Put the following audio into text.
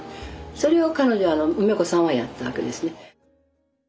それを彼女は梅子さんはやったわけですね。